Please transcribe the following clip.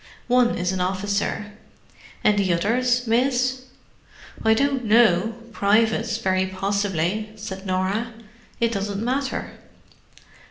"One is an officer." "And the others, miss?" "I don't know—privates, very possibly," said Norah. "It doesn't matter."